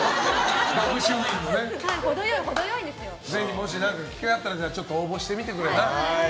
もしあったら応募してみてな。